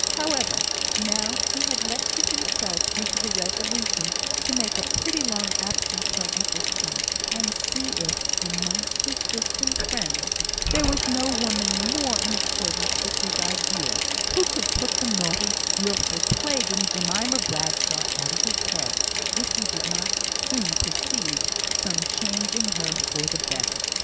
However, now he had lectured himself into the resolution to make a pretty long absence from Eccleston, and see if, amongst his distant friends, there was no woman more in accordance with his ideal, who could put the naughty, wilful, plaguing Jemima Bradshaw out of his head, if he did not soon perceive some change in her for the better.